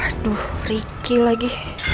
aduh ricky lagi